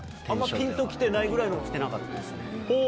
あんまピンと来てないぐらいの。来てなかったですね。